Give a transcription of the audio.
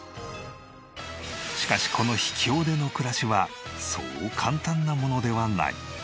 しかしこの秘境での暮らしはそう簡単なものではない。